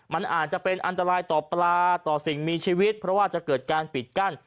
มันอาจจะเป็นอันตรายต่อปลาต่อสิ่งมีชีวิตเพราะว่าจะเกิดการปิดกั้น